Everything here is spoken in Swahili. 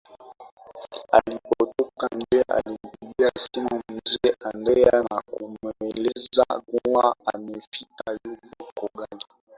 Alipotoka nje alimpigia simu mzee Andrea na kumweleza kuwa amefika yupo kogali